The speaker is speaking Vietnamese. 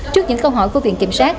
trước những câu hỏi của viện kiểm sát